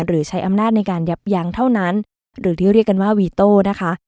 หรือใช้อำนาจในการยับยั้งเท่านั้นหรือที่เรียกกันว่าวีโต้นะคะ